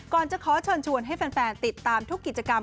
จะขอเชิญชวนให้แฟนติดตามทุกกิจกรรม